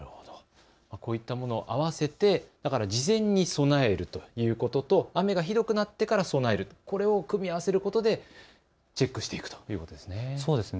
こういったものも合わせて事前に備えるということと雨がひどくなってから備える、これを組み合わせることでチェックしていくということですね。